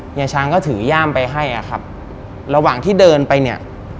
ยายช้างก็ถือย่ามไปให้อ่ะครับระหว่างที่เดินไปเนี่ย